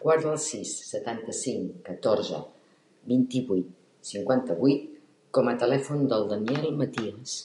Guarda el sis, setanta-cinc, catorze, vint-i-vuit, cinquanta-vuit com a telèfon del Daniel Matias.